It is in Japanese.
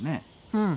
うん。